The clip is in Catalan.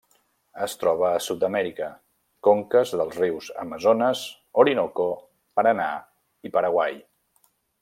Es troba a Sud-amèrica: conques dels rius Amazones, Orinoco, Paranà i Paraguai.